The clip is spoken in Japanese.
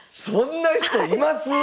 そんな人います